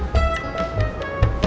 kelihatan lebih s judgement kesatuan